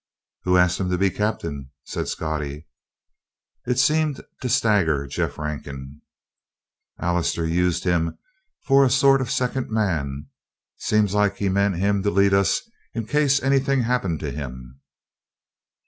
"Who asked him to be captain?" said Scottie. It seemed to stagger Jeff Rankin. "Allister used him for a sort of second man; seemed like he meant him to lead us in case anything happened to him."